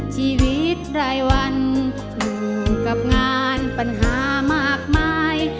ชีวิตรายวันอยู่กับงานปัญหามากมาย